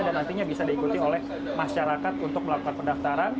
dan nantinya bisa diikuti oleh masyarakat untuk melakukan pendaftaran